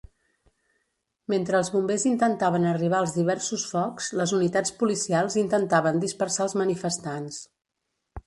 Mentre els bombers intentaven arribar als diversos focs, les unitats policials intentaven dispersar els manifestants.